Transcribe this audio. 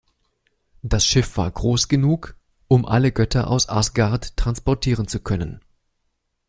Das Schiff war groß genug, um alle Götter aus Asgard transportieren zu können.